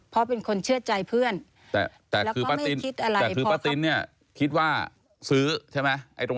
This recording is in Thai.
เพราะเป็นคนเชื่อใจเพื่อนแต่คือป้าติ้นคิดว่าซื้อใช่ไหม